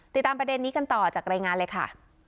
ติดตามประเด็นนี้กันต่อจากรายงานเลยค่ะ